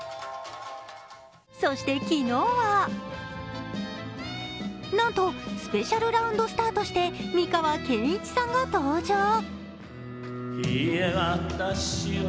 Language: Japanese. そして、昨日は、なんとスペシャルラウンド“スター”として美川憲一さんが登場。